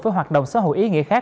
với hoạt động xã hội ý nghĩa khác